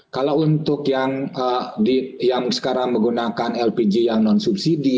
kalau untuk yang sekarang menggunakan lpg yang non subsidi